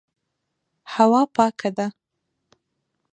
هوا پاکه ده.